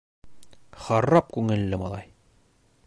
Харап күңелле, малай.